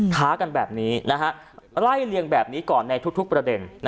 ท้ากันแบบนี้ไล่เลียงแบบนี้ก่อนในทุกประเด็น